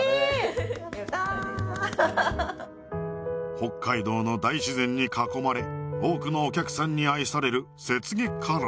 北海道の大自然に囲まれ多くのお客さんに愛される雪月花廊